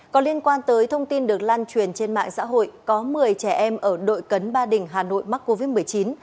còn liên quan tới thông tin được lan truyền trên mạng xã hội có một mươi trẻ em ở đội cấn ba đình hà nội mắc covid một mươi chín